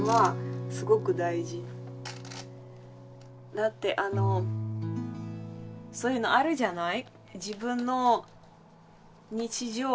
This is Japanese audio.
だってあのそういうのあるじゃない？